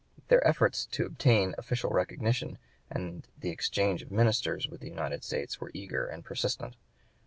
Their efforts to obtain official recognition and the exchange of ministers with the United States were eager and persistent.